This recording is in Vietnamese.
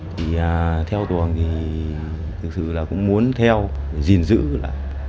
thì theo tuồng thì thực sự là cũng muốn theo gìn giữ lại